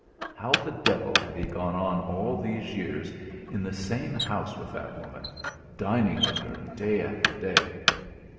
How the devil had he gone on all these years in the same house with that woman, dining with her day after day!